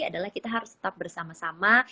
adalah kita harus tetap bersama sama